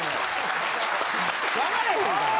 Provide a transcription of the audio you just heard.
わかれへんから。